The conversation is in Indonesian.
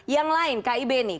yang lain kib nih